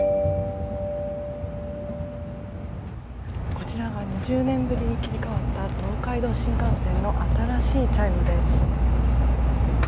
こちらが２０年ぶりに切り替わった東海道新幹線の新しいチャイムです。